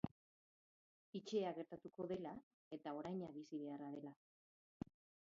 Tychea gertatuko dela eta oraina bizi beharra dela.